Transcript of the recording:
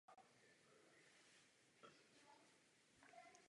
Původně byly plánovány dvě samostatné ofenzivy realizované po sobě.